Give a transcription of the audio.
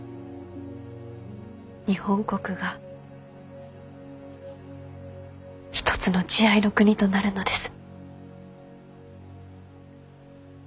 日本国が一つの慈愛の国となるのです。